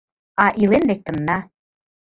А илен лектынна.